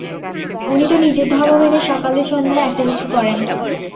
উনি তো নিজের ধর্ম মেনে সকালে সন্ধ্যায় একটা-কিছু করেন।